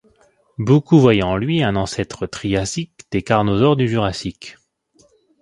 Beaucoup voyaient en lui un ancêtre triasique des carnosaures du Jurassique.